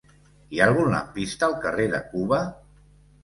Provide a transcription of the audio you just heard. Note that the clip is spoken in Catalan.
Hi ha algun lampista al carrer de Cuba?